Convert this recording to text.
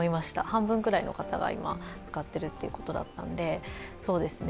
半分くらいの方が今使ってるということだったので。